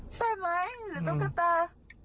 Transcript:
ใช่ไหมหรือตุ๊กตา